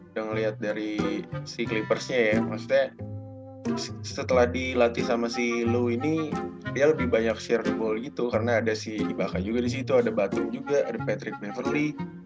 udah ngeliat dari si clippersnya ya maksudnya setelah dilatih sama si lu ini dia lebih banyak share ball gitu karena ada si dibakar juga disitu ada batu juga ada patrick meverly